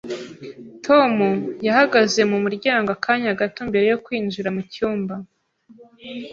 Tom yahagaze mu muryango akanya gato mbere yo kwinjira mu cyumba.